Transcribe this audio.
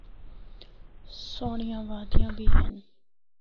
سہنڑیاں وادیاں بھی ہن۔